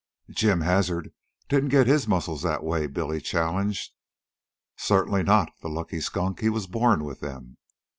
"Jim Hazard didn't get his muscles that way," Billy challenged. "Certainly not, the lucky skunk; he was born with them.